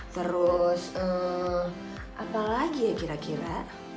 terus apalagi ya kira kira